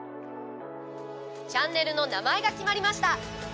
チャンネルの名前が決まりました。